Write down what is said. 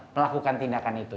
melakukan tindakan itu